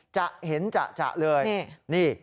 จะเห็นจะเลยนี่